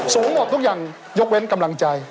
หมดทุกอย่างยกเว้นกำลังใจ